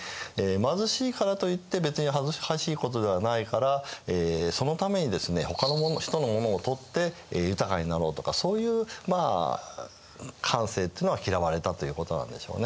貧しいからといって別に恥ずかしいことではないからそのためにですねほかの人の者を盗って豊かになろうとかそういうまあ感性っていうのは嫌われたということなんでしょうね。